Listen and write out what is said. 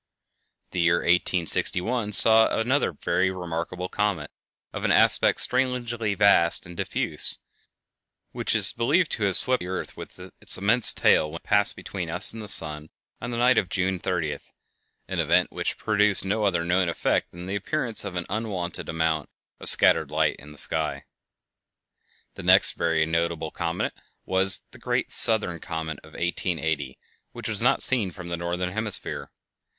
The year 1861 saw another very remarkable comet, of an aspect strangely vast and diffuse, which is believed to have swept the earth with its immense tail when it passed between us and the sun on the night of June 30th, an event which produced no other known effect than the appearance of an unwonted amount of scattered light in the sky. The next very notable comet was the "Great Southern Comet" of 1880, which was not seen from the northern hemisphere.